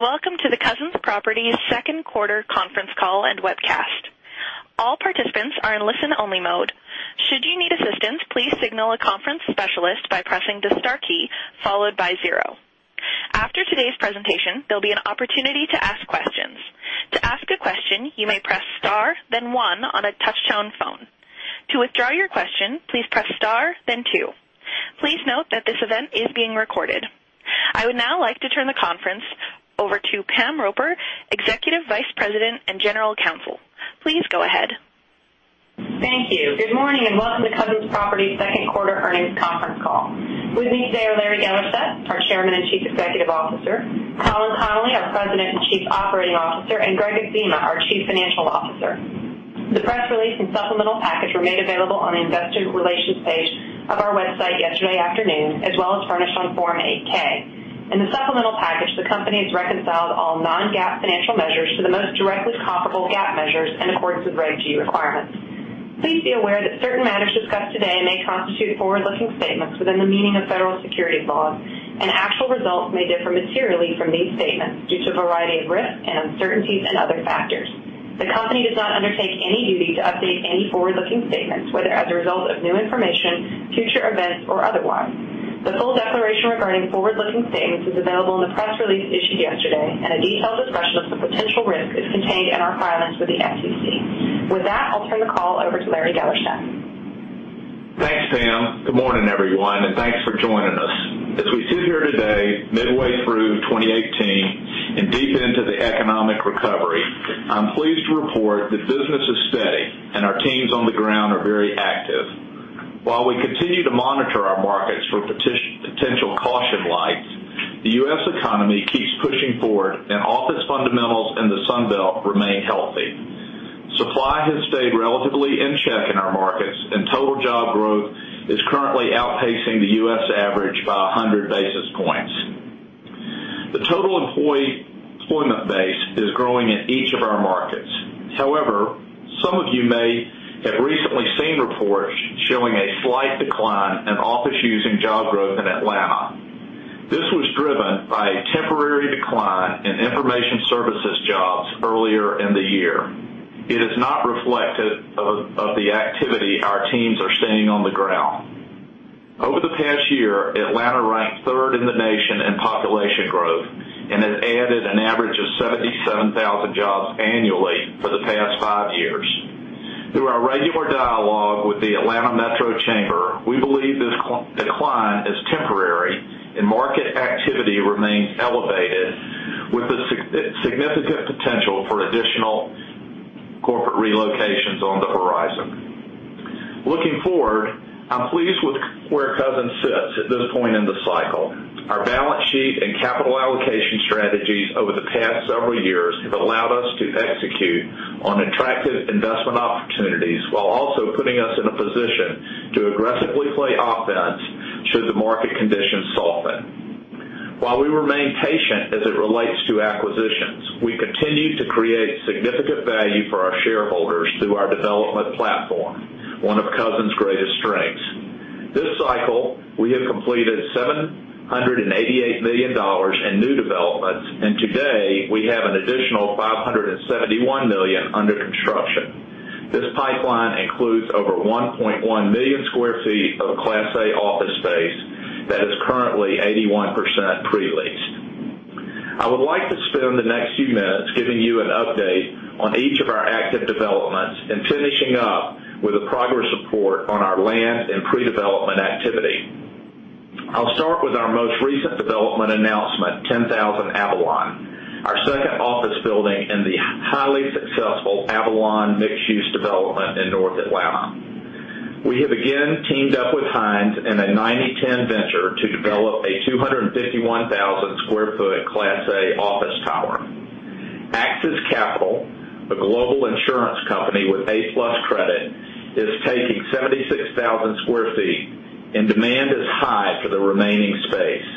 Welcome to the Cousins Properties second quarter conference call and webcast. All participants are in listen-only mode. Should you need assistance, please signal a conference specialist by pressing the star key, followed by zero. After today's presentation, there will be an opportunity to ask questions. To ask a question, you may press star, then one on a touch-tone phone. To withdraw your question, please press star, then two. Please note that this event is being recorded. I would now like to turn the conference over to Pamela Roper, Executive Vice President and General Counsel. Please go ahead. Thank you. Good morning. Welcome to Cousins Properties second quarter earnings conference call. With me today are Larry Gellerstedt, our Chairman and Chief Executive Officer, Colin Connolly, our President and Chief Operating Officer, and Gregg Adzema, our Chief Financial Officer. The press release and supplemental package were made available on the investor relations page of our website yesterday afternoon, as well as furnished on Form 8-K. In the supplemental package, the company has reconciled all non-GAAP financial measures to the most directly comparable GAAP measures in accordance with Regulation G requirements. Please be aware that certain matters discussed today may constitute forward-looking statements within the meaning of federal securities laws. Actual results may differ materially from these statements due to a variety of risks and uncertainties and other factors. The company does not undertake any duty to update any forward-looking statements, whether as a result of new information, future events, or otherwise. The full declaration regarding forward-looking statements is available in the press release issued yesterday. A detailed discussion of the potential risk is contained in our filings with the SEC. With that, I will turn the call over to Larry Gellerstedt. Thanks, Pam. Good morning, everyone. Thanks for joining us. As we sit here today, midway through 2018. Deep into the economic recovery, I am pleased to report that business is steady. Our teams on the ground are very active. While we continue to monitor our markets for potential caution lights, the U.S. economy keeps pushing forward. Office fundamentals in the Sun Belt remain healthy. Supply has stayed relatively in check in our markets. Total job growth is currently outpacing the U.S. average by 100 basis points. The total employment base is growing in each of our markets. However, some of you may have recently seen reports showing a slight decline in office using job growth in Atlanta. This was driven by a temporary decline in information services jobs earlier in the year. It is not reflective of the activity our teams are seeing on the ground. Over the past year, Atlanta ranked third in the nation in population growth and has added an average of 77,000 jobs annually for the past five years. Through our regular dialogue with the Metro Atlanta Chamber, we believe this decline is temporary and market activity remains elevated with the significant potential for additional corporate relocations on the horizon. Looking forward, I'm pleased with where Cousins sits at this point in the cycle. Our balance sheet and capital allocation strategies over the past several years have allowed us to execute on attractive investment opportunities while also putting us in a position to aggressively play offense should the market conditions soften. While we remain patient as it relates to acquisitions, we continue to create significant value for our shareholders through our development platform, one of Cousins' greatest strengths. This cycle, we have completed $788 million in new developments, and today we have an additional $571 million under construction. This pipeline includes over 1.1 million square feet of Class A office space that is currently 81% pre-leased. I would like to spend the next few minutes giving you an update on each of our active developments and finishing up with a progress report on our land and pre-development activity. I'll start with our most recent development announcement, 10000 Avalon, our second office building in the highly successful Avalon mixed-use development in North Atlanta. We have again teamed up with Hines in a 90/10 venture to develop a 251,000-square-foot Class A office tower. AXIS Capital, a global insurance company with A+ credit, is taking 76,000 square feet, and demand is high for the remaining space.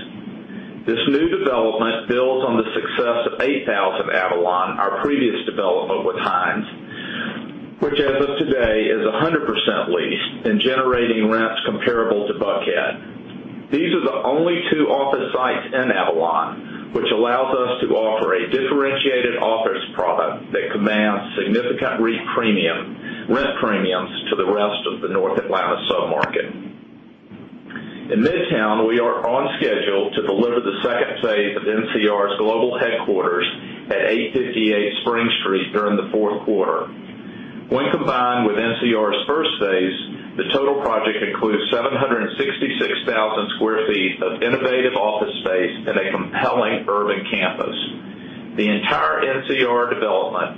This new development builds on the success of 8000 Avalon, our previous development with Hines, which as of today is 100% leased and generating rents comparable to Buckhead. These are the only two office sites in Avalon, which allows us to offer a differentiated office product that commands significant rent premiums to the rest of the North Atlanta sub-market. In Midtown, we are on schedule to deliver the second phase of NCR's global headquarters at 858 Spring Street during the fourth quarter. When combined with NCR's first phase, the total project includes 766,000 square feet of innovative office space in a compelling urban campus. The entire NCR development,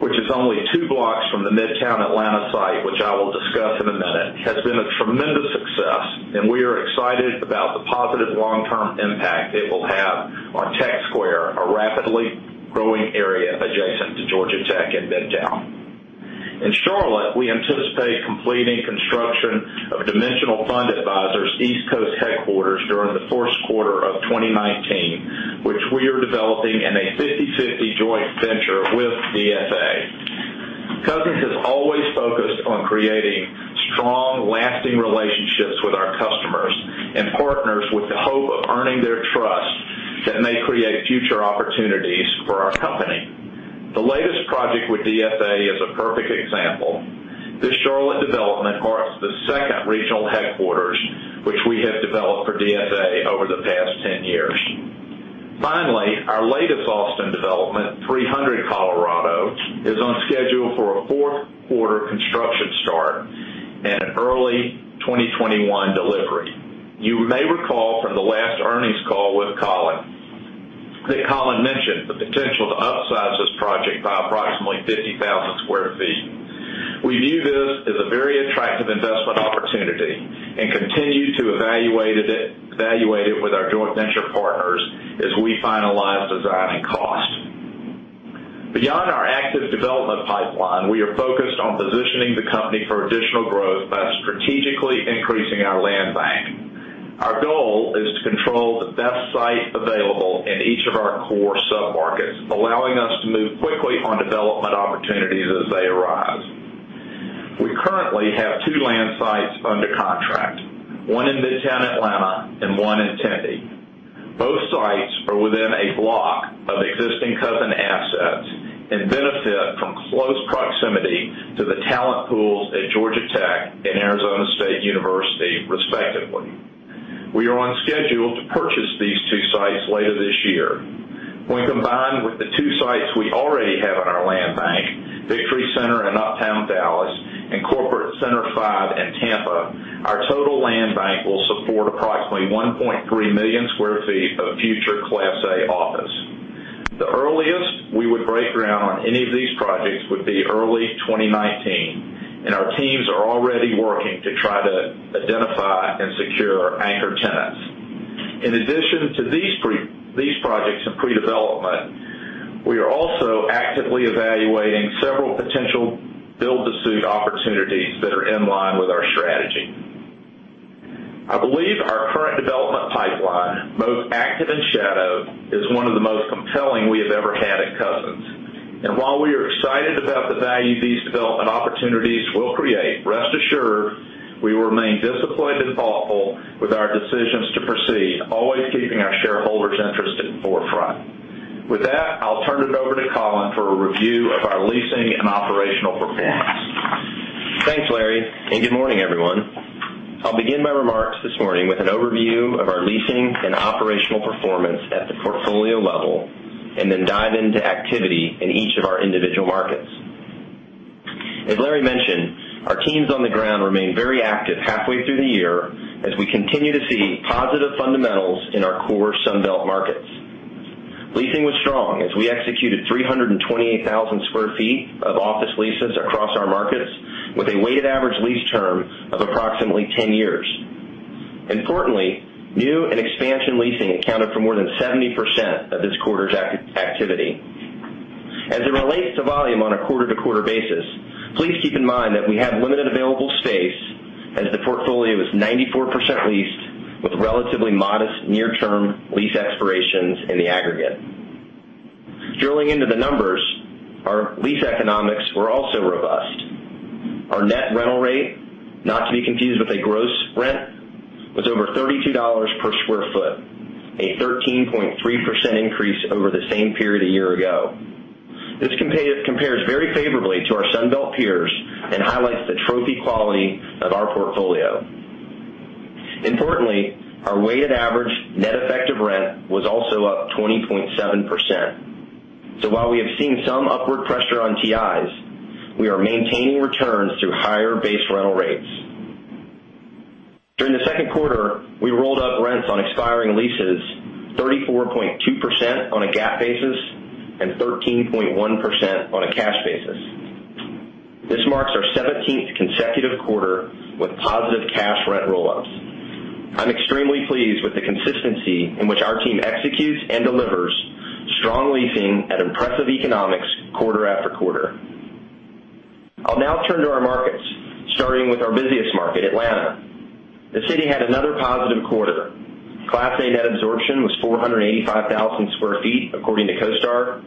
which is only two blocks from the Midtown Atlanta site, which I will discuss in a minute, has been a tremendous success, and we are excited about the positive long-term impact it will have on Tech Square, a rapidly growing area adjacent to Georgia Tech in Midtown. In Charlotte, we anticipate completing construction of Dimensional Fund Advisors' East Coast headquarters during the fourth quarter of 2019, which we are developing in a 50/50 joint venture with DFA partners with the hope of earning their trust that may create future opportunities for our company. The latest project with DFA is a perfect example. This Charlotte development marks the second regional headquarters, which we have developed for DFA over the past 10 years. Finally, our latest Austin development, 300 Colorado, is on schedule for a fourth-quarter construction start and early 2021 delivery. You may recall from the last earnings call with Colin, that Colin mentioned the potential to upsize this project by approximately 50,000 sq ft. We view this as a very attractive investment opportunity and continue to evaluate it with our joint venture partners as we finalize design and cost. Beyond our active development pipeline, we are focused on positioning the company for additional growth by strategically increasing our land bank. Our goal is to control the best site available in each of our core sub-markets, allowing us to move quickly on development opportunities as they arise. We currently have two land sites under contract, one in Midtown Atlanta and one in Tempe. Both sites are within a block of existing Cousins assets and benefit from close proximity to the talent pools at Georgia Tech and Arizona State University, respectively. We are on schedule to purchase these two sites later this year. When combined with the two sites we already have in our land bank, Victory Center in Uptown Dallas and Corporate Center 5 in Tampa, our total land bank will support approximately 1.3 million sq ft of future Class A office. The earliest we would break ground on any of these projects would be early 2019. Our teams are already working to try to identify and secure anchor tenants. In addition to these projects in pre-development, we are also actively evaluating several potential build-to-suit opportunities that are in line with our strategy. I believe our current development pipeline, both active and shadow, is one of the most compelling we have ever had at Cousins. While we are excited about the value these development opportunities will create, rest assured, we will remain disciplined and thoughtful with our decisions to proceed, always keeping our shareholders' interest at forefront. With that, I'll turn it over to Colin for a review of our leasing and operational performance. Thanks, Larry, and good morning, everyone. I'll begin my remarks this morning with an overview of our leasing and operational performance at the portfolio level and then dive into activity in each of our individual markets. As Larry mentioned, our teams on the ground remain very active halfway through the year as we continue to see positive fundamentals in our core Sun Belt markets. Leasing was strong as we executed 328,000 sq ft of office leases across our markets with a weighted average lease term of approximately 10 years. Importantly, new and expansion leasing accounted for more than 70% of this quarter's activity. As it relates to volume on a quarter-to-quarter basis, please keep in mind that we have limited available space as the portfolio is 94% leased with relatively modest near-term lease expirations in the aggregate. Drilling into the numbers, our lease economics were also robust. Our net rental rate, not to be confused with a gross rent, was over $32 per square foot, a 13.3% increase over the same period a year ago. This compares very favorably to our Sun Belt peers and highlights the trophy quality of our portfolio. Our weighted average net effective rent was also up 20.7%. While we have seen some upward pressure on TIs, we are maintaining returns through higher base rental rates. During the second quarter, we rolled up rents on expiring leases 34.2% on a GAAP basis and 13.1% on a cash basis. This marks our 17th consecutive quarter with positive cash rent roll-ups. I'm extremely pleased with the consistency in which our team executes and delivers strong leasing at impressive economics quarter after quarter. I'll now turn to our markets, starting with our busiest market, Atlanta. The city had another positive quarter. Class A net absorption was 485,000 square feet, according to CoStar,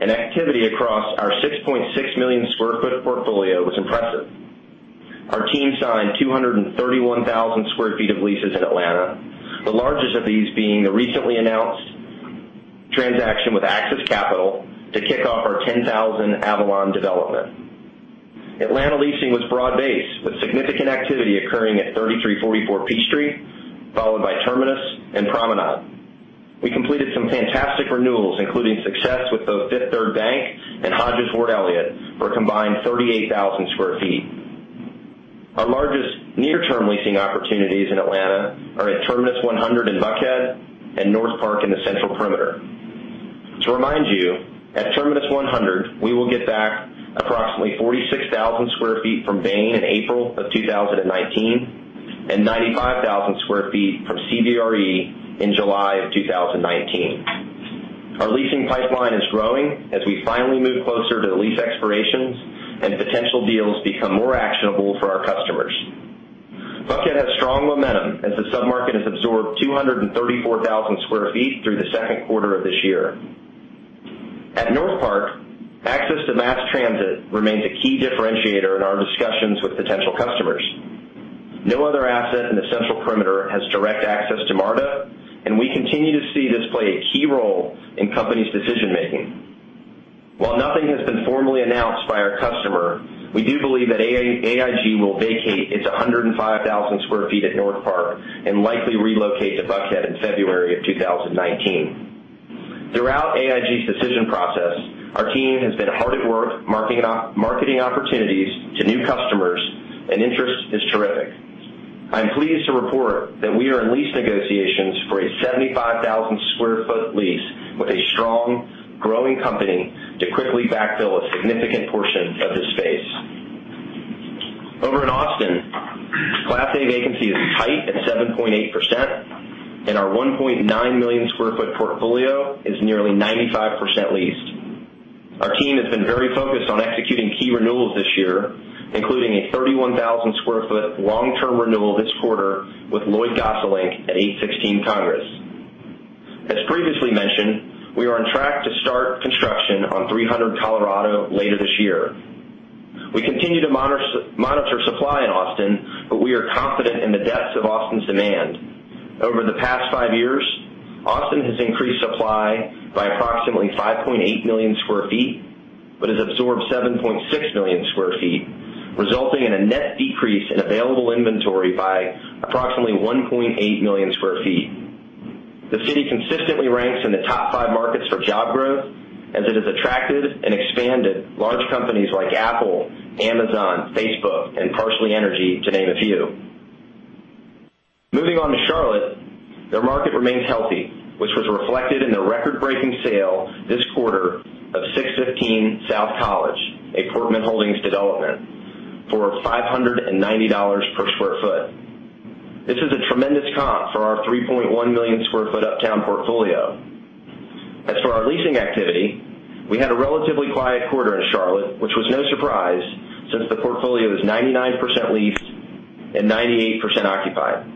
and activity across our 6.6 million square foot portfolio was impressive. Our team signed 231,000 square feet of leases in Atlanta, the largest of these being the recently announced transaction with AXIS Capital to kick off our 10,000 Avalon development. Atlanta leasing was broad-based, with significant activity occurring at 3344 Peachtree, followed by Terminus and Promenade. We completed some fantastic renewals, including success with both Fifth Third Bank and Hodges Ward Elliott for a combined 38,000 square feet. Our largest near-term leasing opportunities in Atlanta are at Terminus 100 in Buckhead and NorthPark in the Central Perimeter. To remind you, at Terminus 100, we will get back approximately 46,000 square feet from Bain in April of 2019 and 95,000 square feet from CBRE in July of 2019. Our leasing pipeline is growing as we finally move closer to lease expirations and potential deals become more actionable for our customers. Buckhead has strong momentum as the sub-market has absorbed 234,000 square feet through the second quarter of this year. At NorthPark, access to mass transit remains a key differentiator in our discussions with potential customers. No other asset in the Central Perimeter has direct access to MARTA, and we continue to see this play a key role in companies' decision-making. While nothing has been formally announced by our customer, we do believe that AIG will vacate its 105,000 square feet at NorthPark and likely relocate to Buckhead in February of 2019. Throughout AIG's decision process, our team has been hard at work marketing opportunities to new customers, and interest is terrific. I'm pleased to report that we are in lease negotiations for a 75,000-square-foot lease with a strong, growing company to quickly backfill a significant portion of this space. Over in Austin, Class A vacancy is tight at 7.8%, and our 1.9-million-square-foot portfolio is nearly 95% leased. Our team has been very focused on executing key renewals this year, including a 31,000-square-foot long-term renewal this quarter with Lloyd Gosselink at 816 Congress. As previously mentioned, we are on track to start construction on 300 Colorado later this year. We continue to monitor supply in Austin, we are confident in the depths of Austin's demand. Over the past five years, Austin has increased supply by approximately 5.8 million square feet, has absorbed 7.6 million square feet, resulting in a net decrease in available inventory by approximately 1.8 million square feet. The city consistently ranks in the top five markets for job growth as it has attracted and expanded large companies like Apple, Amazon, Facebook, and Parsley Energy, to name a few. Moving on to Charlotte, their market remains healthy, which was reflected in the record-breaking sale this quarter of 615 South College, a Portman Holdings development, for $590 per sq ft. This is a tremendous comp for our 3.1-million-square-foot Uptown portfolio. As for our leasing activity, we had a relatively quiet quarter in Charlotte, which was no surprise since the portfolio is 99% leased and 98% occupied.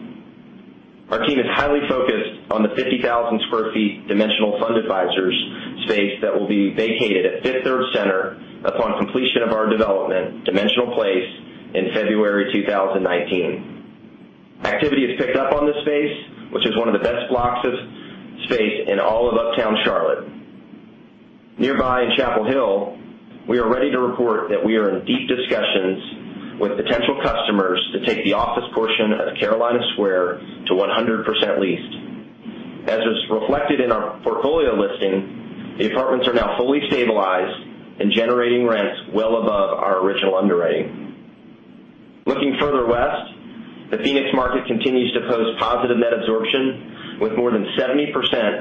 Our team is highly focused on the 50,000 sq ft Dimensional Fund Advisors space that will be vacated at Fifth Third Center upon completion of our development, Dimensional Place, in February 2019. Activity has picked up on this space, which is one of the best blocks of space in all of Uptown Charlotte. Nearby in Chapel Hill, we are ready to report that we are in deep discussions with potential customers to take the office portion of Carolina Square to 100% leased. As is reflected in our portfolio listing, the apartments are now fully stabilized and generating rents well above our original underwriting. Looking further west, the Phoenix market continues to post positive net absorption, with more than 70%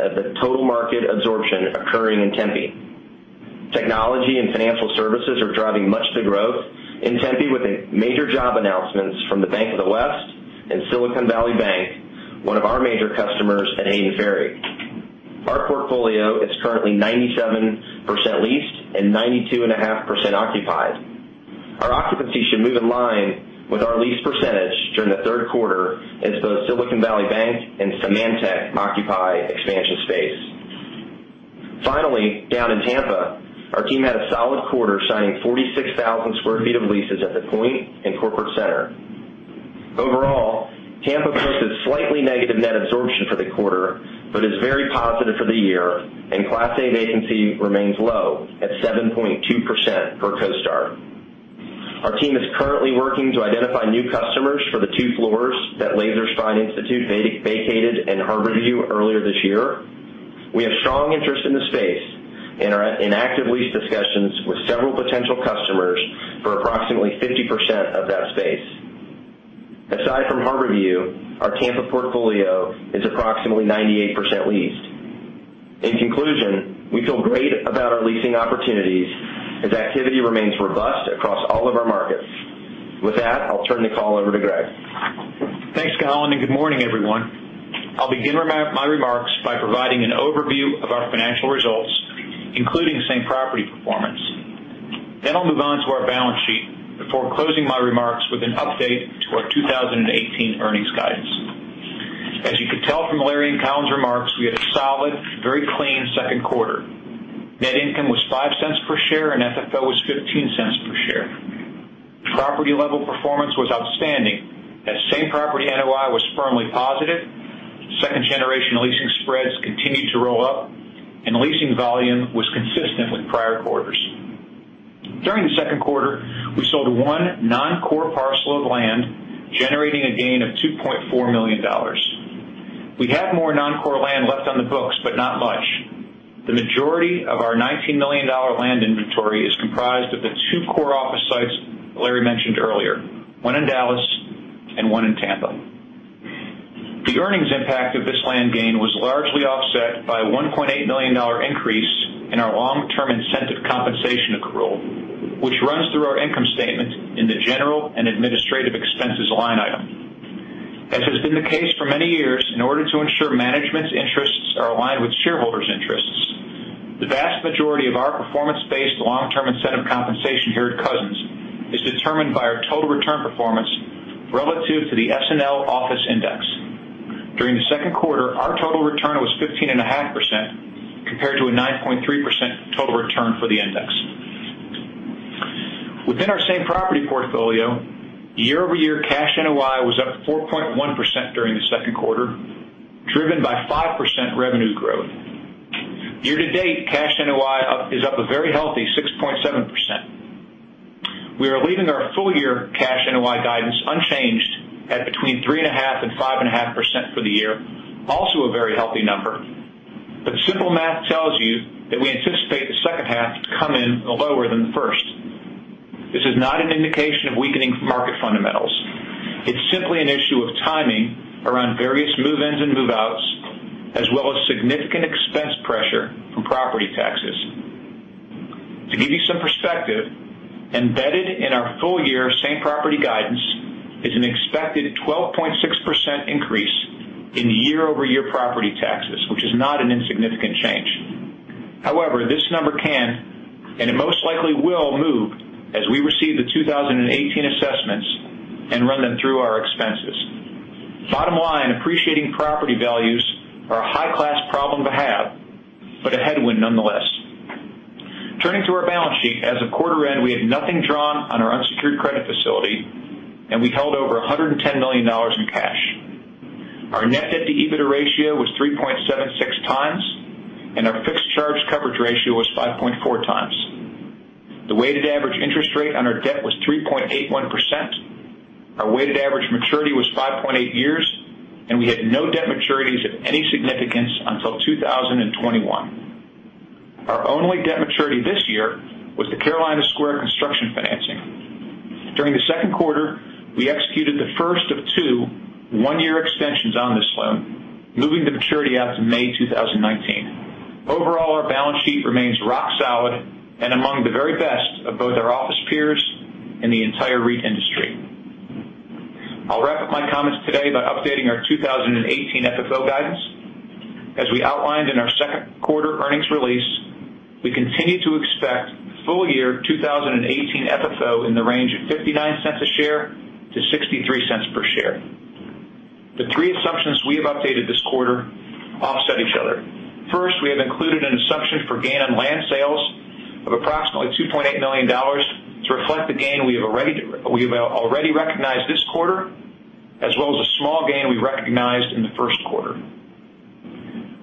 of the total market absorption occurring in Tempe. Technology and financial services are driving much of the growth in Tempe, with major job announcements from the Bank of the West and Silicon Valley Bank, one of our major customers at Hayden Ferry. Our portfolio is currently 97% leased and 92.5% occupied. Our occupancy should move in line with our lease percentage during the third quarter as both Silicon Valley Bank and Symantec occupy expansion space. Down in Tampa, our team had a solid quarter, signing 46,000 sq ft of leases at The Point and Corporate Center. Overall, Tampa posted slightly negative net absorption for the quarter, but is very positive for the year, and Class A vacancy remains low at 7.2% per CoStar. Our team is currently working to identify new customers for the two floors that Laser Spine Institute vacated in Harborview earlier this year. We have strong interest in the space and are in active lease discussions with several potential customers for approximately 50% of that space. Aside from Harborview, our Tampa portfolio is approximately 98% leased. In conclusion, we feel great about our leasing opportunities as activity remains robust across all of our markets. With that, I'll turn the call over to Gregg. Thanks, Colin. Good morning, everyone. I'll begin my remarks by providing an overview of our financial results, including same property performance. I'll move on to our balance sheet before closing my remarks with an update to our 2018 earnings guidance. As you could tell from Larry and Colin's remarks, we had a solid, very clean second quarter. Net income was $0.05 per share, and FFO was $0.15 per share. Property-level performance was outstanding, as same property NOI was firmly positive. Second-generation leasing spreads continued to roll up, and leasing volume was consistent with prior quarters. During the second quarter, we sold one non-core parcel of land, generating a gain of $2.4 million. We have more non-core land left on the books, but not much. The majority of our $19 million land inventory is comprised of the two core office sites Larry mentioned earlier, one in Dallas and one in Tampa. The earnings impact of this land gain was largely offset by a $1.8 million increase in our long-term incentive compensation accrual, which runs through our income statement in the general and administrative expenses line item. As has been the case for many years, in order to ensure management's interests are aligned with shareholders' interests, the vast majority of our performance-based long-term incentive compensation here at Cousins Properties is determined by our total return performance relative to the SNL Office Index. During the second quarter, our total return was 15.5%, compared to a 9.3% total return for the index. Within our same property portfolio, year-over-year cash NOI was up 4.1% during the second quarter, driven by 5% revenue growth. Year-to-date, cash NOI is up a very healthy 6.7%. We are leaving our full-year cash NOI guidance unchanged at between 3.5% and 5.5% for the year, also a very healthy number. Simple math tells you that we anticipate the second half to come in lower than the first. This is not an indication of weakening market fundamentals. It's simply an issue of timing around various move-ins and move-outs, as well as significant expense pressure from property taxes. To give you some perspective, embedded in our full-year same property guidance is an expected 12.6% increase in year-over-year property taxes, which is not an insignificant change. However, this number can, and it most likely will, move as we receive the 2018 assessments and run them through our expenses. Bottom line, appreciating property values are a high-class problem to have, but a headwind nonetheless. Turning to our balance sheet, as of quarter end, we had nothing drawn on our unsecured credit facility, and we held over $110 million in cash. Our net debt to EBITDA ratio was 3.76 times, and our fixed charge coverage ratio was 5.4 times. The weighted average interest rate on our debt was 3.81%. Our weighted average maturity was 5.8 years, and we had no debt maturities of any significance until 2021. Our only debt maturity this year was the Carolina Square construction financing. During the second quarter, we executed the first of two one-year extensions on this loan, moving the maturity out to May 2019. Overall, our balance sheet remains rock solid and among the very best of both our office peers and the entire REIT industry. I'll wrap up my comments today by updating our 2018 FFO guidance. As we outlined in our second quarter earnings release, we continue to expect full-year 2018 FFO in the range of $0.59 a share to $0.63 per share. The three assumptions we have updated this quarter offset each other. First, we have included an assumption for gain on land sales of approximately $2.8 million to reflect the gain we have already recognized this quarter, as well as a small gain we recognized in the first quarter.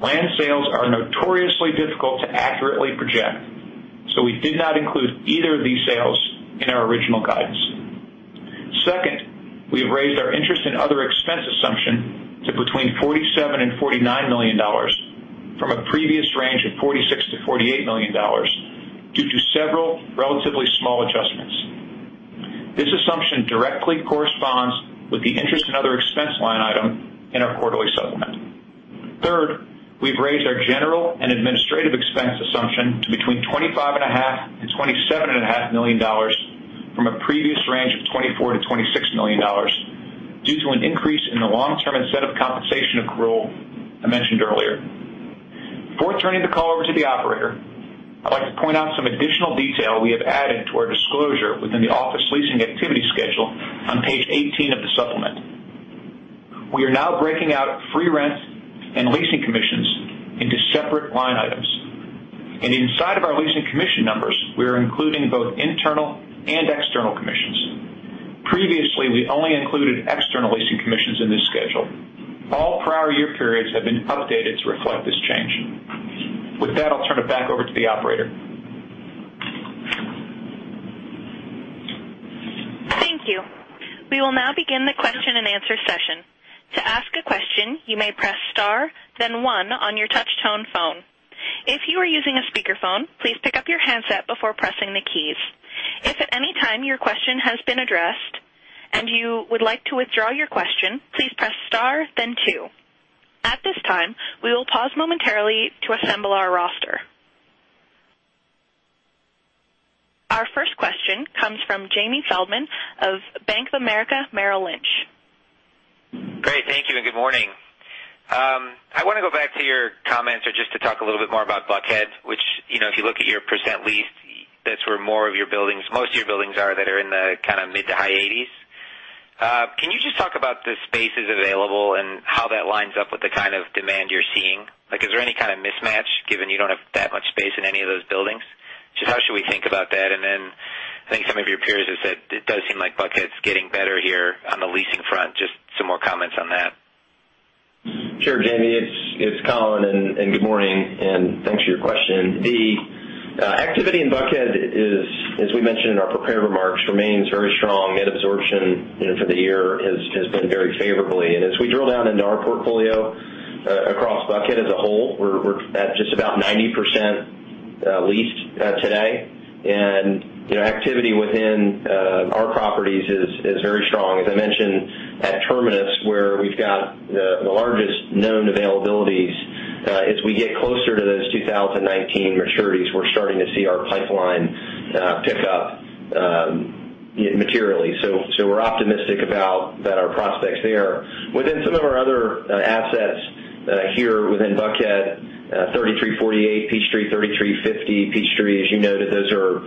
Land sales are notoriously difficult to accurately project, so we did not include either of these sales in our original guidance. Second, we have raised our interest and other expense assumption to between $47 million and $49 million from a previous range of $46 million to $48 million, due to several relatively small adjustments. This assumption directly corresponds with the interest and other expense line item in our quarterly supplement. Third, we've raised our general and administrative expense assumption to between $25.5 million and $27.5 million from a previous range of $24 million-$26 million, due to an increase in the long-term incentive compensation accrual I mentioned earlier. Before turning the call over to the operator, I'd like to point out some additional detail we have added to our disclosure within the office leasing activity schedule on page 18 of the supplement. We are now breaking out free rent and leasing commissions into separate line items. Inside of our leasing commission numbers, we are including both internal and external commissions. Previously, we only included external leasing commissions in this schedule. All prior year periods have been updated to reflect this change. With that, I'll turn it back over to the operator. Thank you. We will now begin the question-and-answer session. To ask a question, you may press star, then one on your touchtone phone. If you are using a speakerphone, please pick up your handset before pressing the keys. If at any time your question has been addressed and you would like to withdraw your question, please press star, then two. At this time, we will pause momentarily to assemble our roster. Our first question comes from Jamie Feldman of Bank of America Merrill Lynch. Great. Thank you and good morning. I want to go back to your comments or just to talk a little bit more about Buckhead, which, if you look at your percent leased, that's where most of your buildings are that are in the mid to high 80s. Can you just talk about the spaces available and how that lines up with the kind of demand you're seeing? Is there any kind of mismatch given you don't have that much space in any of those buildings? Just how should we think about that? Then I think some of your peers have said it does seem like Buckhead's getting better here on the leasing front. Just some more comments on that. Sure, Jamie. It's Colin, and good morning, and thanks for your question. The activity in Buckhead, as we mentioned in our prepared remarks, remains very strong. Net absorption for the year has been very favorable. As we drill down into our portfolio across Buckhead as a whole, we're at just about 90% leased today. Activity within our properties is very strong. As I mentioned, at Terminus, where we've got the largest known availabilities, as we get closer to those 2019 maturities, we're starting to see our pipeline pick up materially. We're optimistic about our prospects there. Within some of our other assets here within Buckhead, 3348 Peachtree, 3350 Peachtree, as you know, that those are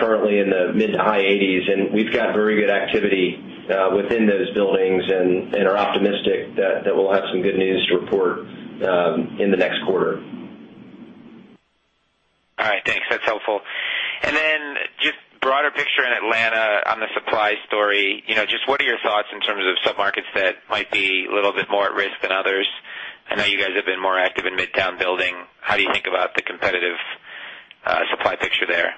currently in the mid to high 80s, we've got very good activity within those buildings and are optimistic that we'll have some good news to report in the next quarter. All right, thanks. That's helpful. Just broader picture in Atlanta on the supply story, just what are your thoughts in terms of sub-markets that might be a little bit more at risk than others? I know you guys have been more active in Midtown building. How do you think about the competitive supply picture there?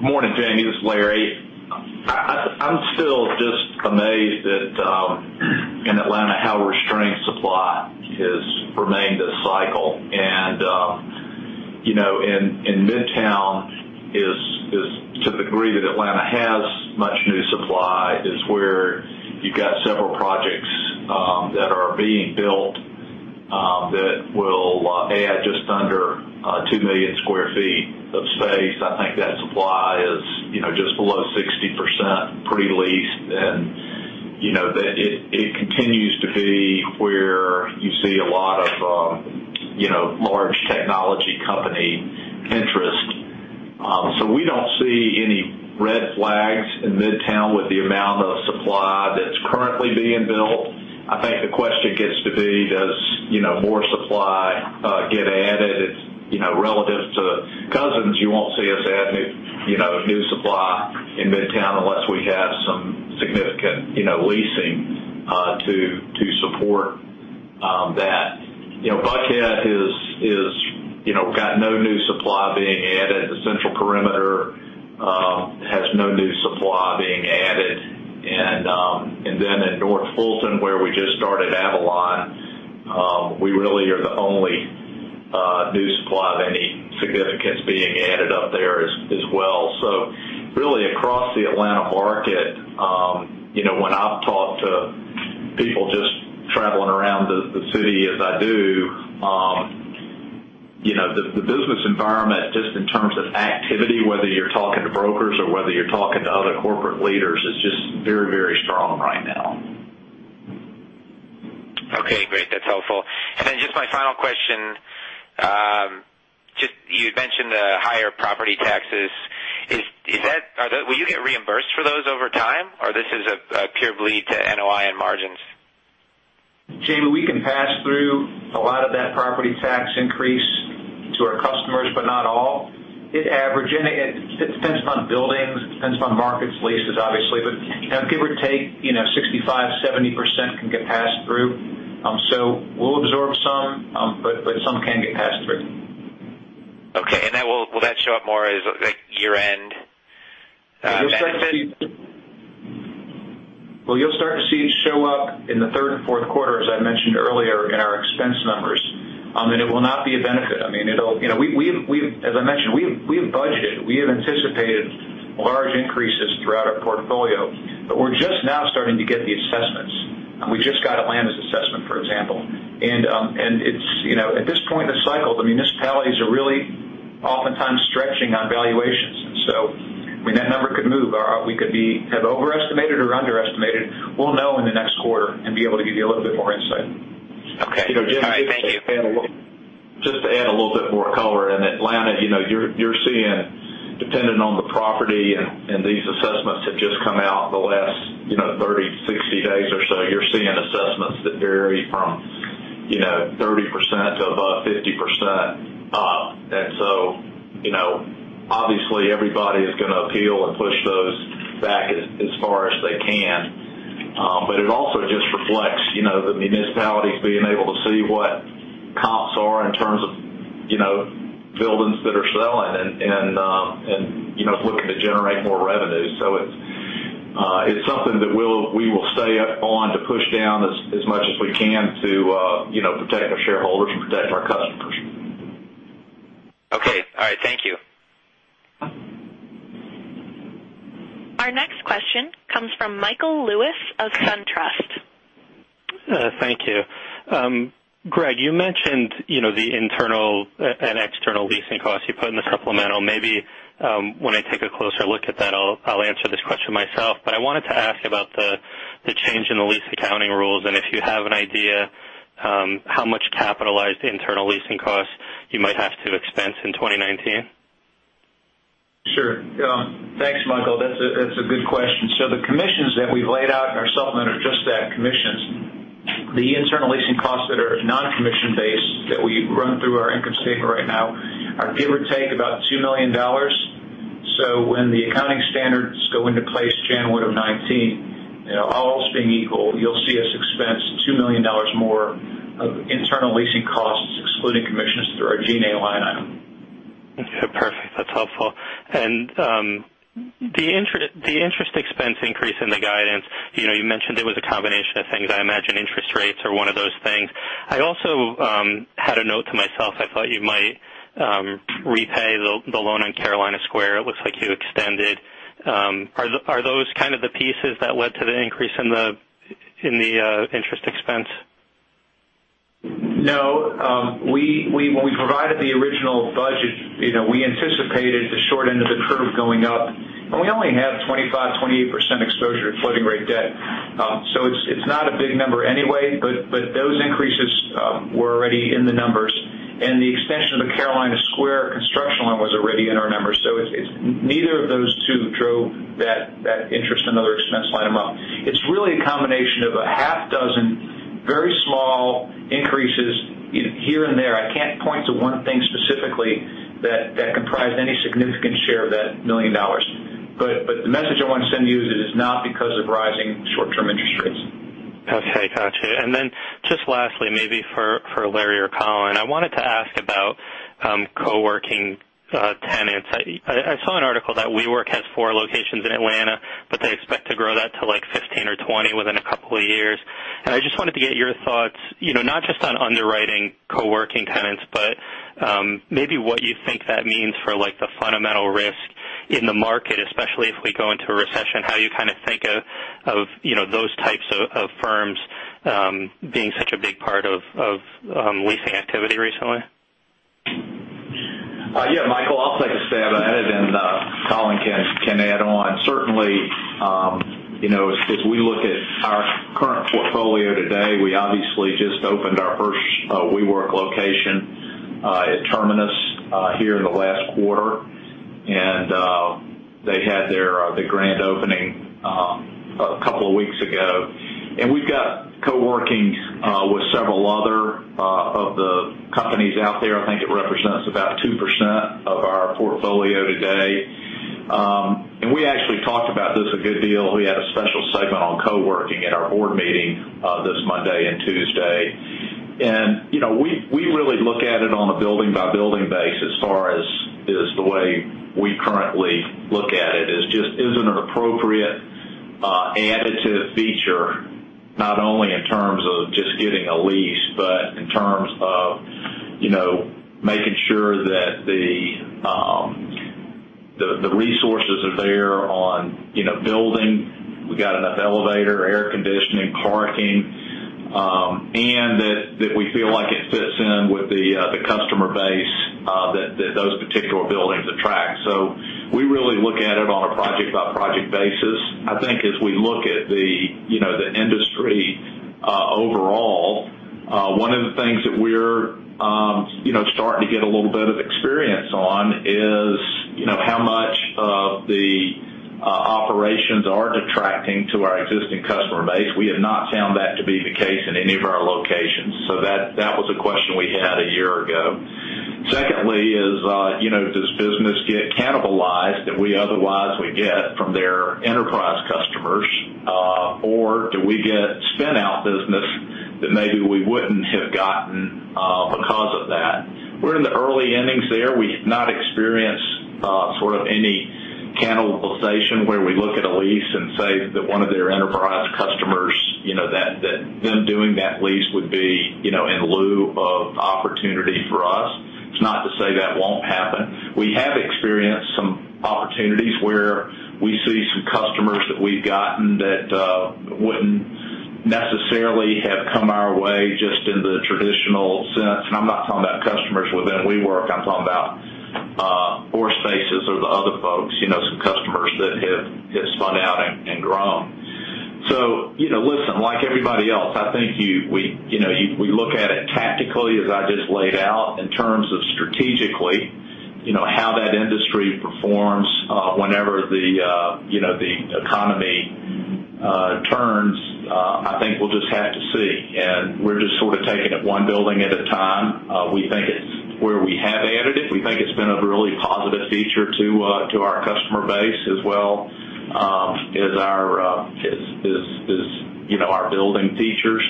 Morning, Jamie. This is Larry. I'm still just amazed that in Atlanta, how restrained supply has remained this cycle. In Midtown is to the degree that Atlanta has much new supply, is where you've got several projects that are being built that will add just under 2 million square feet of space. I think that supply is just below 60% pre-leased, it continues to be where you see a lot of large technology company interest. We don't see any red flags in Midtown with the amount of supply that's currently being built. I think the question gets to be, does more supply get added? Relative to Cousins, you won't see us add new supply in Midtown unless we have some significant leasing to support that. Buckhead got no new supply being added. The Central Perimeter has no new supply being added. In North Fulton, where we just started Avalon, we really are the only new supply of any significance being added up there as well. Really across the Atlanta market, when I've talked to people just traveling around the city as I do, the business environment, just in terms of activity, whether you're talking to brokers or whether you're talking to other corporate leaders, is just very strong right now. Okay, great. That's helpful. Just my final question. You had mentioned the higher property taxes. Will you get reimbursed for those over time, or this is a pure bleed to NOI and margins? Jamie, we can pass through a lot of that property tax increase to our customers, not all. It depends upon buildings, depends upon markets, leases, obviously. Give or take, 65%-70% can get passed through. We'll absorb some, but some can get passed through. Okay. Will that show up more as year-end? Well, you'll start to see it show up in the third and fourth quarter, as I mentioned earlier, in our expense numbers. It will not be a benefit. As I mentioned, we have budgeted, we have anticipated large increases throughout our portfolio, but we're just now starting to get the assessments. We just got Atlanta's assessment, for example. At this point in the cycle, the municipalities are really oftentimes stretching on valuations. That number could move. We could have overestimated or underestimated. We'll know in the next quarter and be able to give you a little bit more insight. Okay. All right. Thank you. Just to add a little bit more color. In Atlanta, you're seeing, depending on the property, and these assessments have just come out in the last 30, 60 days or so. You're seeing assessments that vary from 30% to above 50% up, obviously everybody is going to appeal and push those back as far as they can. It also just reflects the municipalities being able to see what comps are in terms of buildings that are selling and looking to generate more revenue. It's something that we will stay up on to push down as much as we can to protect our shareholders and protect our customers. Okay. All right. Thank you. Our next question comes from Michael Lewis of SunTrust. Thank you. Gregg, you mentioned the internal and external leasing costs you put in the supplemental. Maybe when I take a closer look at that, I'll answer this question myself. I wanted to ask about the change in the lease accounting rules, and if you have an idea how much capitalized internal leasing costs you might have to expense in 2019? Thanks, Michael. That's a good question. The commissions that we've laid out in our supplement are just that, commissions. The internal leasing costs that are non-commission based that we run through our income statement right now are give or take about $2 million. When the accounting standards go into place January of 2019, all else being equal, you'll see us expense $2 million more of internal leasing costs, excluding commissions, through our G&A line item. Okay, perfect. That's helpful. The interest expense increase in the guidance, you mentioned it was a combination of things. I imagine interest rates are one of those things. I also had a note to myself, I thought you might repay the loan on Carolina Square. It looks like you extended. Are those kind of the pieces that led to the increase in the interest expense? No. When we provided the original budget, we anticipated the short end of the curve going up, and we only have 25%-28% exposure to floating rate debt. It's not a big number anyway, but those increases were already in the numbers. Neither of those two drove that interest and other expense line amount. It's really a combination of a half dozen very small increases here and there. I can't point to one thing specifically that comprised any significant share of that $1 million. The message I want to send to you is it is not because of rising short-term interest rates. Okay. Got you. Just lastly, maybe for Larry or Colin, I wanted to ask about co-working tenants. I saw an article that WeWork has four locations in Atlanta, but they expect to grow that to 15 or 20 within a couple of years. I just wanted to get your thoughts, not just on underwriting co-working tenants, but maybe what you think that means for the fundamental risk in the market, especially if we go into a recession, how you kind of think of those types of firms being such a big part of leasing activity recently. Yeah, Michael, I'll take a stab at it. Colin can add on. Certainly, as we look at our current portfolio today, we obviously just opened our first WeWork location, at Terminus, here in the last quarter. They had their grand opening a couple of weeks ago. We've got co-working with several other of the companies out there. I think it represents about 2% of our portfolio today. We actually talked about this a good deal. We had a special segment on co-working at our board meeting this Monday and Tuesday. We really look at it on a building-by-building basis as far as, is the way we currently look at it, is just, is it an appropriate additive feature, not only in terms of just getting a lease, but in terms of making sure that the resources are there on building. We got enough elevator, air conditioning, parking, we feel like it fits in with the customer base that those particular buildings attract. We really look at it on a project-by-project basis. I think as we look at the industry overall, one of the things that we're starting to get a little bit of experience on is how much of the operations are detracting to our existing customer base. We have not found that to be the case in any of our locations. That was a question we had a year ago. Secondly is, does business get cannibalized that we otherwise would get from their enterprise customers? Do we get spin-out business that maybe we wouldn't have gotten because of that? We're in the early innings there. We have not experienced sort of any cannibalization where we look at a lease and say that one of their enterprise customers, that them doing that lease would be in lieu of opportunity for us. It's not to say that won't happen. We have experienced some opportunities where we see some customers that we've gotten that wouldn't necessarily have come our way just in the traditional sense. I'm not talking about customers within WeWork. I'm talking about floor spaces or the other folks, some customers that have spun out and grown. Listen, like everybody else, I think we look at it tactically, as I just laid out, in terms of strategically, how that industry performs whenever the economy turns, I think we'll just have to see, we're just sort of taking it one building at a time. Where we have added it, we think it's been a really positive feature to our customer base as well, as our building features.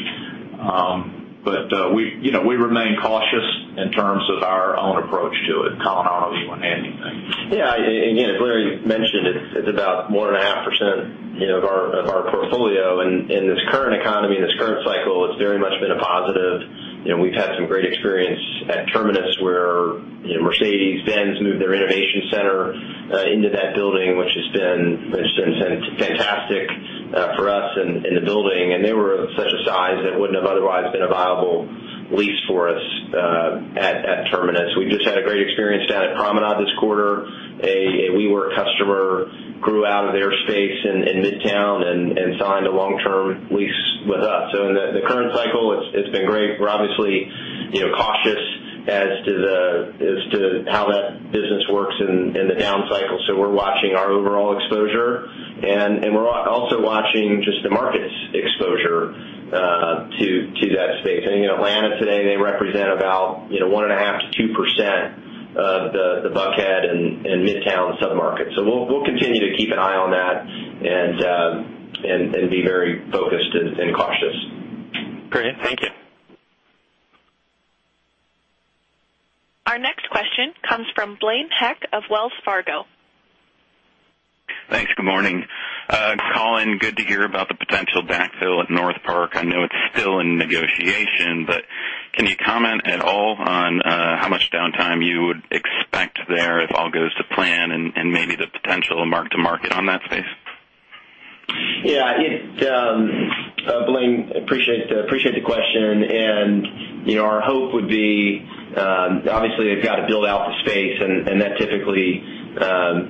We remain cautious in terms of our own approach to it. Colin, I don't know if you want to add anything. Yeah. Again, as Larry mentioned, it's about more than 0.5% of our portfolio. In this current economy, in this current cycle, it's very much been a positive. We've had some great experience at Terminus, where Mercedes-Benz moved their innovation center into that building, which has been fantastic for us in the building. They were of such a size that wouldn't have otherwise been a viable lease for us at Terminus. We've just had a great experience down at Promenade this quarter. A WeWork customer grew out of their space in Midtown and signed a long-term lease with us. In the current cycle, it's been great. We're obviously cautious as to how that business works in the down cycle. We're watching our overall exposure, and we're also watching just the market's exposure to that space. In Atlanta today, they represent about 1.5%-2% of the Buckhead and Midtown sub-markets. We'll continue to keep an eye on that and be very focused and cautious. Great. Thank you. Our next question comes from Blaine Heck of Wells Fargo. Thanks. Good morning. Colin, good to hear about the potential backfill at NorthPark. I know it's still in negotiation, but can you comment at all on how much downtime you would expect there if all goes to plan and maybe the potential mark-to-market on that space? Yeah. Blaine, appreciate the question. Our hope would be, obviously, they've got to build out the space, and that typically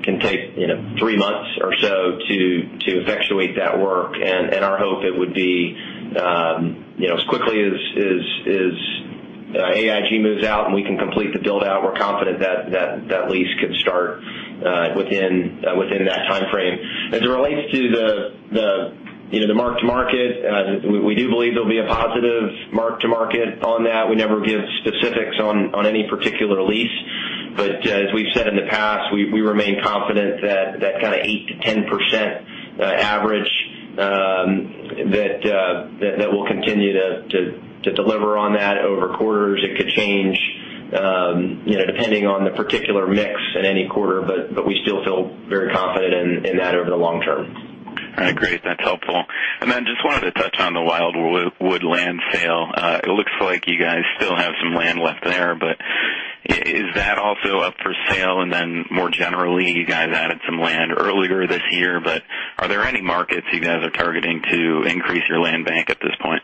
can take three months or so to effectuate that work. Our hope it would be as quickly as AIG moves out and we can complete the build-out, we're confident that lease could start within that timeframe. As it relates to the mark-to-market, we do believe there'll be a positive mark-to-market on that. We never give specifics on any particular lease. As we've said in the past, we remain confident that kind of 8%-10% average, that we'll continue to deliver on that over quarters. It could change depending on the particular mix in any quarter, but we still feel very confident in that over the long term. All right, great. That's helpful. Just wanted to touch on the Wildwood land sale. It looks like you guys still have some land left there, is that also up for sale? More generally, you guys added some land earlier this year, but are there any markets you guys are targeting to increase your land bank at this point?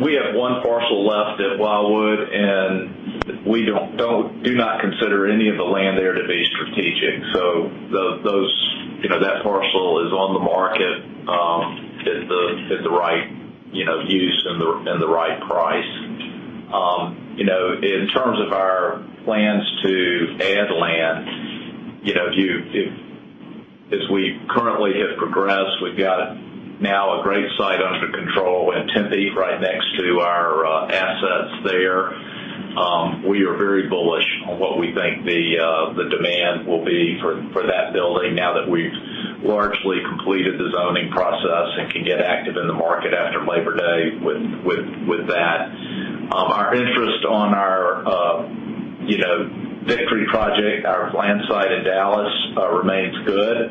We have one parcel left at Wildwood. We do not consider any of the land there to be strategic. That parcel is on the market, at the right use and the right price. In terms of our plans to add land, as we currently have progressed, we've got now a great site under control in Tempe, right next to our assets there. We are very bullish on what we think the demand will be for that building now that we've largely completed the zoning process and can get active in the market after Labor Day with that. Our interest on our Victory Project, our land site in Dallas, remains good.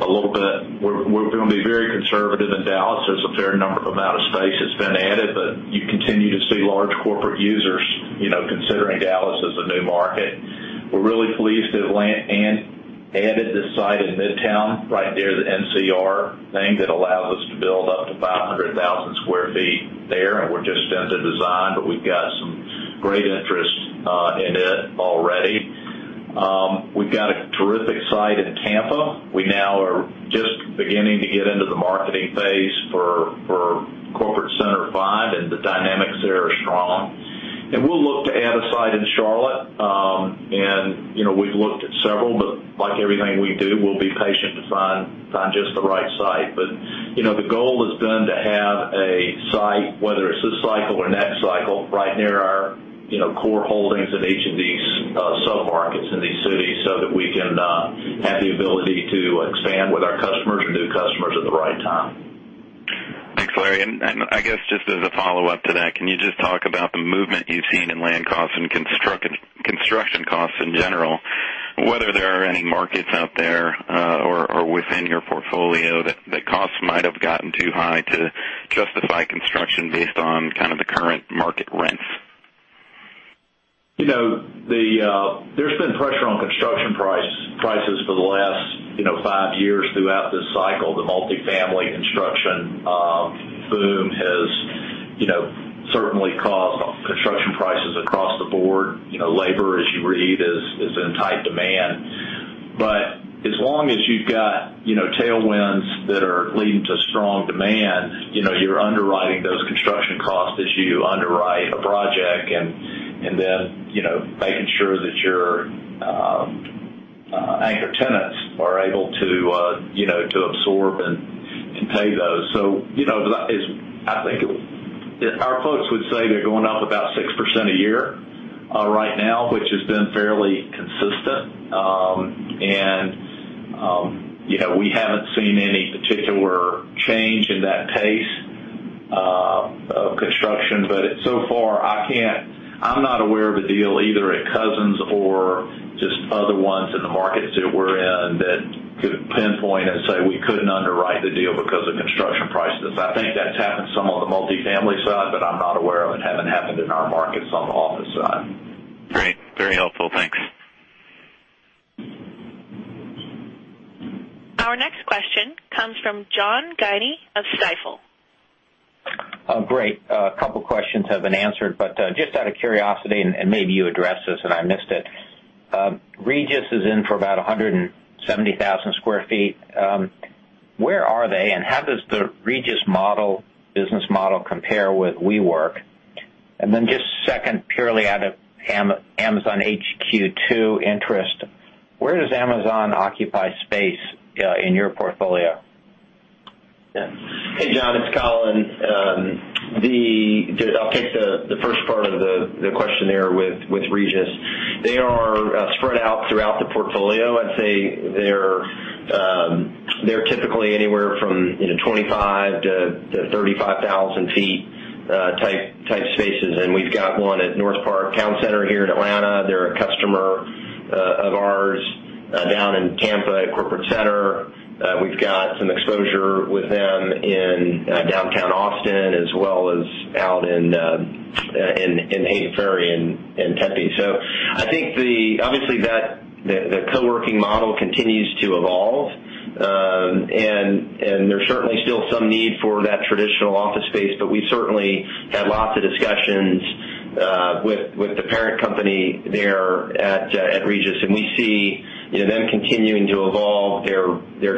We're going to be very conservative in Dallas. There's a fair number amount of space that's been added, you continue to see large corporate users considering Dallas as a new market. We're really pleased to have added this site in Midtown, right near the NCR thing, that allows us to build up to 500,000 sq ft there. We're just into design, we've got some great interest in it already. We've got a terrific site in Tampa. We now are just beginning to get into the marketing phase for Corporate Center Five. The dynamics there are strong. We'll look to add a site in Charlotte. We've looked at several, like everything we do, we'll be patient to find just the right site. The goal has been to have a site, whether it's this cycle or next cycle, right near our core holdings in each of these sub-markets in these cities, so that we can have the ability to expand with our customers or new customers at the right time. Thanks, Larry. I guess just as a follow-up to that, can you just talk about the movement you've seen in land costs and construction costs in general, whether there are any markets out there, or within your portfolio that costs might have gotten too high to justify construction based on kind of the current market rents? There's been pressure on construction prices for the last five years throughout this cycle. The multi-family construction boom has certainly caused construction prices across the board. Labor, as you read, is in tight demand. As long as you've got tailwinds that are leading to strong demand, you're underwriting those construction costs as you underwrite a project and then making sure that your anchor tenants are able to absorb and pay those. I think our folks would say they're going up about 6% a year right now, which has been fairly consistent. We haven't seen any particular change in that pace of construction. So far, I'm not aware of a deal, either at Cousins or just other ones in the markets that we're in, that could pinpoint and say we couldn't underwrite the deal because of construction prices. I think that's happened some on the multi-family side, but I'm not aware of it having happened in our markets on the office side. Great. Very helpful. Thanks. Our next question comes from John Guinee of Stifel. Great. A couple questions have been answered, just out of curiosity, and maybe you addressed this and I missed it. Regus is in for about 170,000 square feet. Where are they, and how does the Regus business model compare with WeWork? Then just second, purely out of Amazon HQ 2 interest, where does Amazon occupy space in your portfolio? Hey, John, it's Colin. I'll take the first part of the question there with Regus. They are spread out throughout the portfolio. I'd say they're typically anywhere from 25,000 to 35,000 sq ft type spaces. We've got one at NorthPark Town Center here in Atlanta. They're a customer of ours down in Tampa at Corporate Center. We've got some exposure with them in downtown Austin, as well as out in Hayden Ferry in Tempe. I think, obviously, the co-working model continues to evolve. There's certainly still some need for that traditional. We've certainly had lots of discussions with the parent company there at Regus, and we see them continuing to evolve their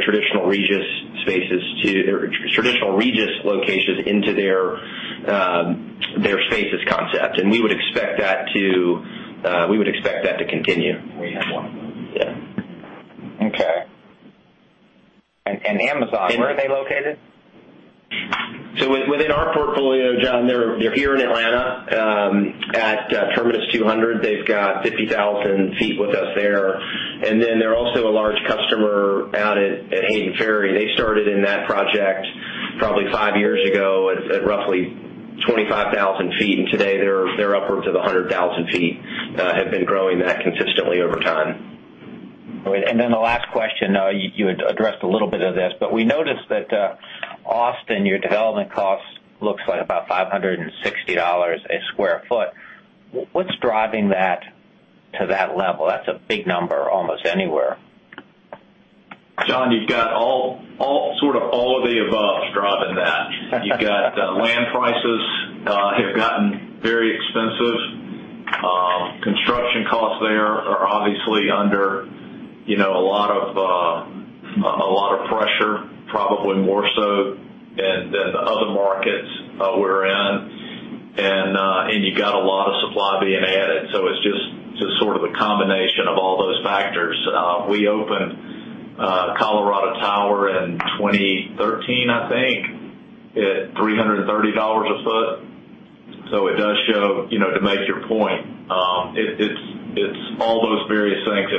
traditional Regus locations into their Spaces concept. We would expect that to continue. We have one of those. Yeah. Okay. Amazon, where are they located? Within our portfolio, John, they're here in Atlanta, at Terminus 200. They've got 50,000 sq ft with us there. Then they're also a large customer out at Hayden Ferry. They started in that project probably five years ago at roughly 25,000 sq ft, and today they're upwards of 100,000 sq ft. Have been growing that consistently over time. The last question, you had addressed a little bit of this, but we noticed that Austin, your development cost looks like about $560 a square foot. What's driving that to that level? That's a big number almost anywhere. John, you've got sort of all of the above is driving that. You've got land prices have gotten very expensive. Construction costs there are obviously under a lot of pressure, probably more so than the other markets we're in. You got a lot of supply being added, it's just sort of a combination of all those factors. We opened Colorado Tower in 2013, I think, at $330 a foot. It does show, to make your point, it's all those various things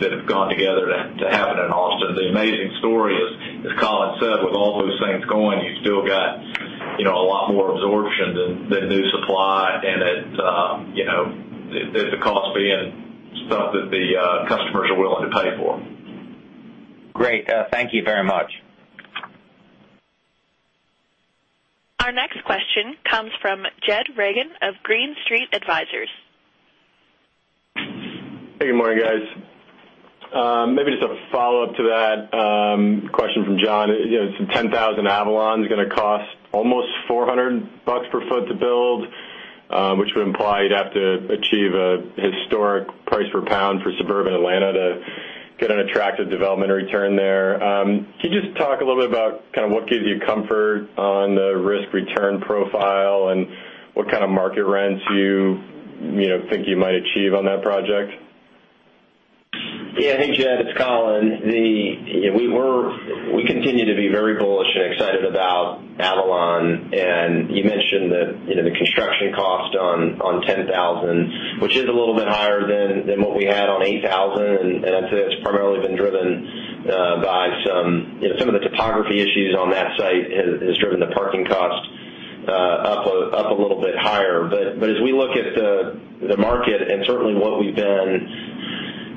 that have gone together to happen in Austin. The amazing story is, as Colin said, with all those things going, you still got a lot more absorption than new supply, and at the cost being stuff that the customers are willing to pay for. Great. Thank you very much. Our next question comes from Jed Reagan of Green Street Advisors. Hey, good morning, guys. Maybe just a follow-up to that question from John. 10,000 Avalon's going to cost almost $400 per foot to build, which would imply you'd have to achieve a historic price per pound for suburban Atlanta to get an attractive development return there. Can you just talk a little bit about kind of what gives you comfort on the risk-return profile and what kind of market rents you think you might achieve on that project? Yeah. Hey, Jed, it's Colin. We continue to be very bullish and excited about Avalon. You mentioned that the construction cost on 10,000, which is a little bit higher than what we had on 8,000, I'd say that's primarily been driven by some of the topography issues on that site has driven the parking cost up a little bit higher. As we look at the market, and certainly what we've done, has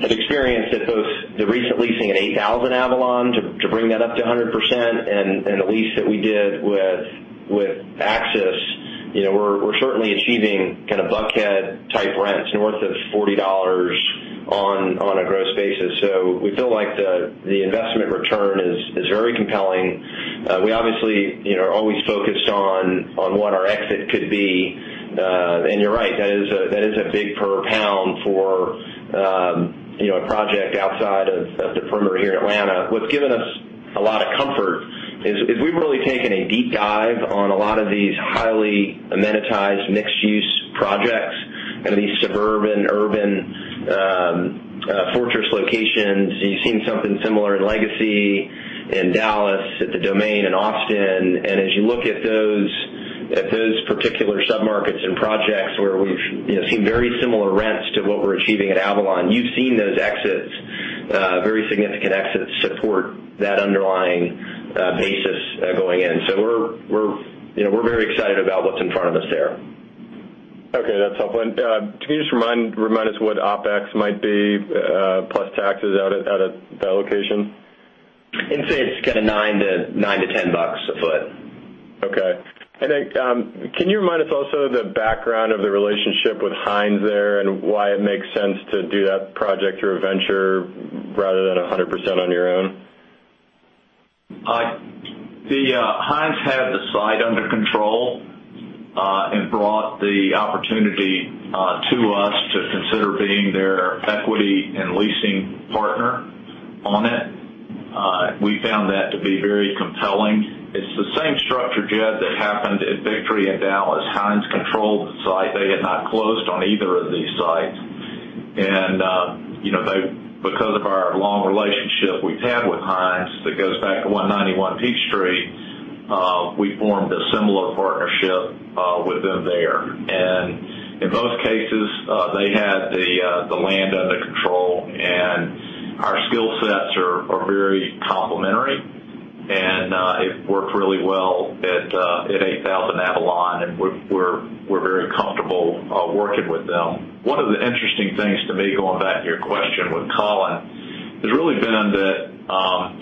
experienced at both the recent leasing at 8,000 Avalon, to bring that up to 100%, and the lease that we did with AXIS, we're certainly achieving kind of Buckhead-type rents, north of $40 on a gross basis. We feel like the investment return is very compelling. We obviously are always focused on what our exit could be. You're right, that is a big per pound for a project outside of the perimeter here in Atlanta. What's given us a lot of comfort is we've really taken a deep dive on a lot of these highly amenitized, mixed-use projects, kind of these suburban, urban fortress locations. You've seen something similar in Legacy in Dallas, at The Domain in Austin. As you look at those particular submarkets and projects where we've seen very similar rents to what we're achieving at Avalon, you've seen those exits, very significant exits, support that underlying basis going in. We're very excited about what's in front of us there. Okay, that's helpful. Can you just remind us what OpEx might be, plus taxes out at that location? I'd say it's kind of $9 to $10 a foot. Okay. Can you remind us also the background of the relationship with Hines there and why it makes sense to do that project through a venture rather than 100% on your own? Hines had the site under control, brought the opportunity to us to consider being their equity and leasing partner on it. We found that to be very compelling. It's the same structure, Jed, that happened at Victory in Dallas. Hines controlled the site. They had not closed on either of these sites. Because of our long relationship we've had with Hines, that goes back to 191 Peachtree, we formed a similar partnership with them there. In both cases, they had the land under control, and our skill sets are very complementary, and it worked really well at 8000 Avalon, and we're very comfortable working with them. One of the interesting things to me, going back to your question with Colin, has really been that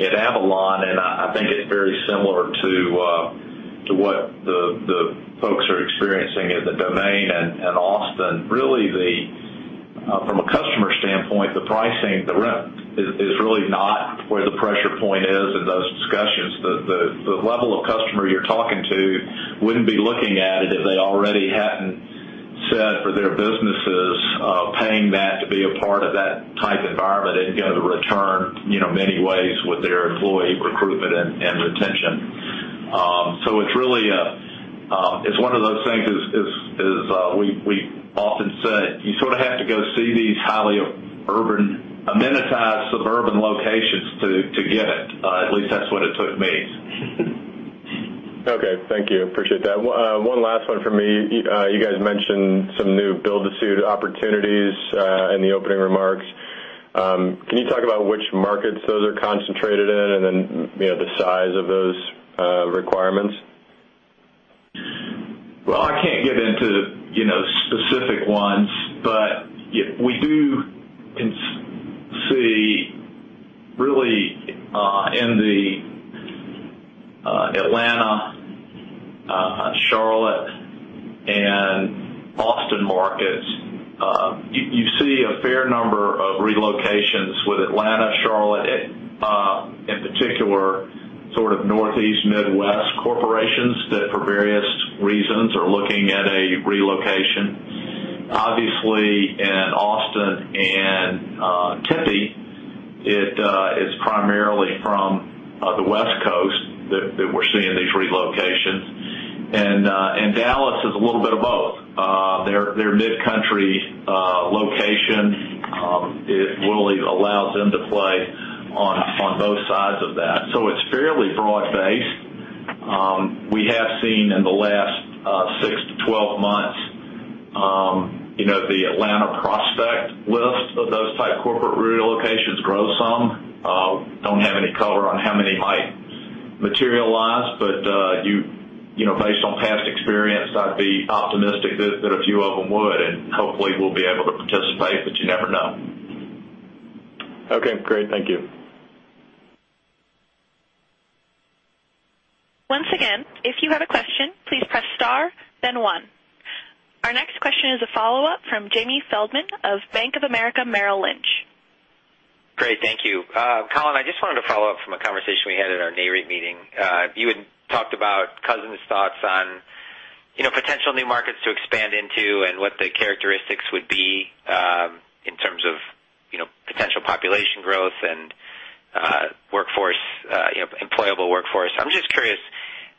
at Avalon, I think it's very similar to what the folks are experiencing at The Domain in Austin, really from the customer standpoint, the pricing, the rent, is really not where the pressure point is in those discussions. The level of customer you're talking to wouldn't be looking at it if they already hadn't set for their businesses, paying that to be a part of that type environment and get a return, many ways with their employee recruitment and retention. It's one of those things, as we often say, you sort of have to go see these highly urban, amenitized suburban locations to get it. At least that's what it took me. Okay. Thank you. Appreciate that. One last one from me. You guys mentioned some new build-to-suit opportunities in the opening remarks. Can you talk about which markets those are concentrated in, and then the size of those requirements? Well, I can't get into specific ones, but we do see, really in the Atlanta, Charlotte, and Austin markets, you see a fair number of relocations with Atlanta, Charlotte, in particular, sort of Northeast, Midwest corporations, that for various reasons, are looking at a relocation. Obviously, in Austin and Tempe, it is primarily from the West Coast that we're seeing these relocations. Dallas is a little bit of both. Their mid-country location, it really allows them to play on both sides of that. It's fairly broad-based. We have seen in the last six to 12 months, the Atlanta prospect list of those type corporate relocations grow some. Don't have any color on how many might materialize, but based on past experience, I'd be optimistic that a few of them would, and hopefully, we'll be able to participate, but you never know. Okay, great. Thank you. Once again, if you have a question, please press star, then one. Our next question is a follow-up from Jamie Feldman of Bank of America, Merrill Lynch. Great. Thank you. Colin, I just wanted to follow up from a conversation we had at our Nareit meeting. You had talked about Cousins' thoughts on potential new markets to expand into and what the characteristics would be, in terms of potential population growth and employable workforce. I'm just curious,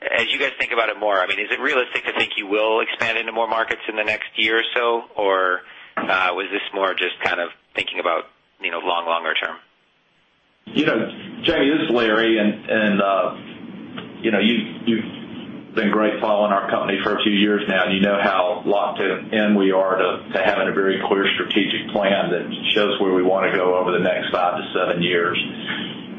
as you guys think about it more, is it realistic to think you will expand into more markets in the next year or so? Or was this more just kind of thinking about long, longer term? Jamie, this is Larry, you've been great following our company for a few years now, and you know how locked in we are to having a very clear strategic plan that shows where we want to go over the next five to seven years.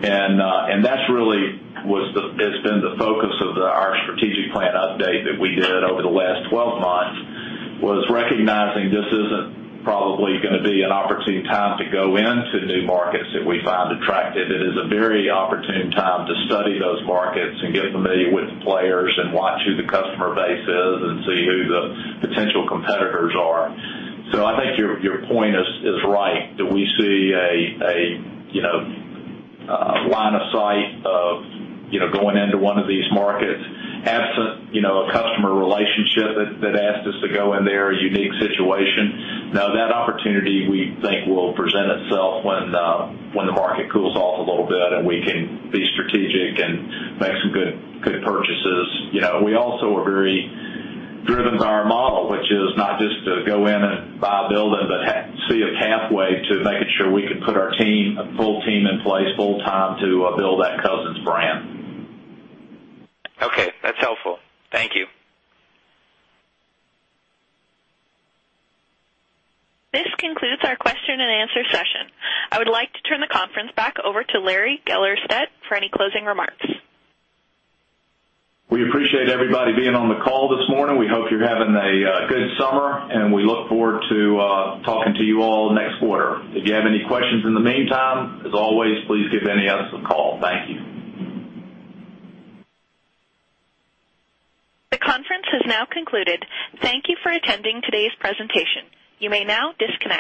That really has been the focus of our strategic plan update that we did over the last 12 months, was recognizing this isn't probably going to be an opportune time to go into new markets that we find attractive. It is a very opportune time to study those markets and get familiar with the players and watch who the customer base is and see who the potential competitors are. I think your point is right, that we see a line of sight of going into one of these markets absent a customer relationship that asks us to go in there, a unique situation. Now, that opportunity, we think will present itself when the market cools off a little bit, and we can be strategic and make some good purchases. We also are very driven by our model, which is not just to go in and buy a building, but see a pathway to making sure we can put our team, a full team in place full-time to build that Cousins brand. Okay. That's helpful. Thank you. This concludes our question and answer session. I would like to turn the conference back over to Larry Gellerstedt for any closing remarks. We appreciate everybody being on the call this morning. We hope you're having a good summer, we look forward to talking to you all next quarter. If you have any questions in the meantime, as always, please give any of us a call. Thank you. The conference has now concluded. Thank you for attending today's presentation. You may now disconnect.